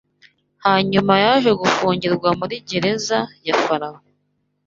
Hanyuma yaje gufungirwa muri gereza ya Farawo